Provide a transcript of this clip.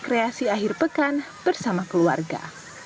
kreasi akhir pekan bersama keluarga